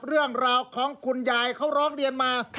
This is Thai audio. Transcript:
เรื่องราวของคุณยายเขาร้องเรียนมา